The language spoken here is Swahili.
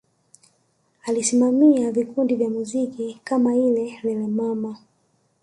Alisimamia vikundi vya muziki kama ile Lelemama